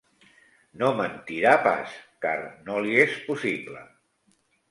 No mentirà pas, car no li és possible.